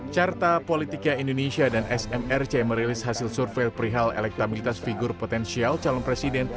carta politika indonesia dan smrc merilis hasil survei perihal elektabilitas figur potensial calon presiden